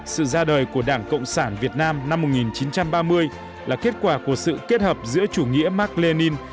sự ra đời của đảng cộng sản việt nam năm một nghìn chín trăm ba mươi là kết quả của sự kết hợp giữa chủ nghĩa mark lenin